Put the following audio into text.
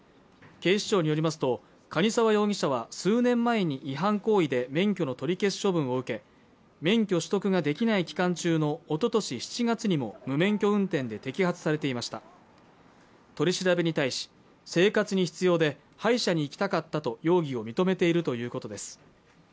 警視庁によりますと蟹沢容疑者は数年前に違反行為で免許の取り消し処分を受け免許取得ができない期間中のおととし７月にも無免許運転で摘発されていました取り調べに対し生活に必要で歯医者に行きたかったと容疑を認めているということです